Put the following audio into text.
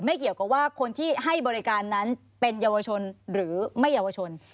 เกี่ยวกับว่าคนที่ให้บริการนั้นเป็นเยาวชนหรือไม่เยาวชน